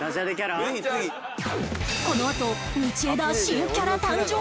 このあと道枝新キャラ誕生！？